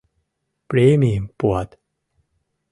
Премийым пуат...